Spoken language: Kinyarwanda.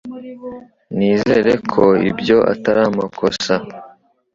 Nizere ko ibyo atari amakosa